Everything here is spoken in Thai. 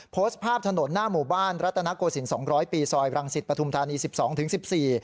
โพสต์ภาพถนนหน้าหมู่บ้านรัตนโกสิน๒๐๐ปีซอยรังสิตปทุมธานี๑๒๑๔